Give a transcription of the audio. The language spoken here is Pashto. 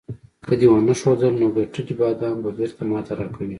که دې ونه ښودل، نو ګټلي بادام به بیرته ماته راکوې.